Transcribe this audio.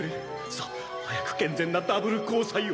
さっ早く健全なダブル交際を！